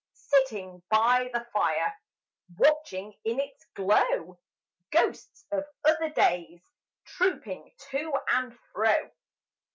Sitting by the fire, Watching in its glow, Ghosts of other days Trooping to and fro.